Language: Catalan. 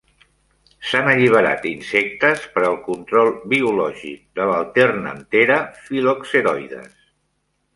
S'han alliberat insectes per al control biològic de l'alternanthera philoxeroides.